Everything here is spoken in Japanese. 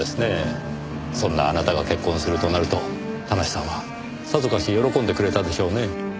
そんなあなたが結婚するとなると田無さんはさぞかし喜んでくれたでしょうね。